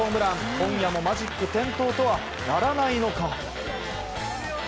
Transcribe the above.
今夜もマジック点灯とはならないのか。